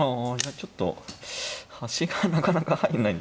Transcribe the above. ちょっと端がなかなか入んないんで。